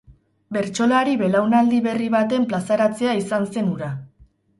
Bertsolari belaunaldi berri baten plazaratzea izan zen hura.